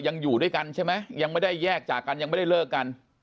ยังอยู่ด้วยกันใช่ไหมยังไม่ได้แยกจากกันยังไม่ได้เลิกกัน